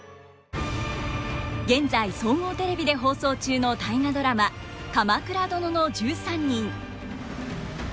現在総合テレビで放送中の「大河ドラマ鎌倉殿の１３人」。